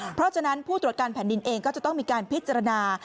เพราะฉะนั้นผู้ตรวจการแผ่นดินเองก็จะต้องมีการพิจารณา